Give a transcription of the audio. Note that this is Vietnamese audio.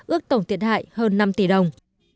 ước tổng thiệt hại hơn năm tỷ đồng